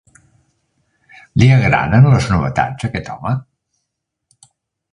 Li agraden les novetats a aquest home?